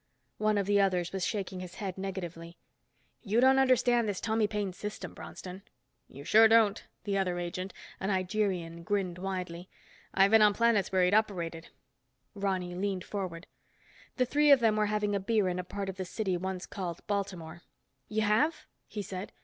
One of the others was shaking his head negatively. "You don't understand this Tommy Paine's system, Bronston." "You sure don't," the other agent, a Nigerian, grinned widely. "I've been on planets where he'd operated." Ronny leaned forward. The three of them were having a beer in a part of the city once called Baltimore. "You have?" he said.